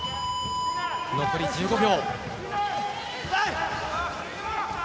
残り１５秒。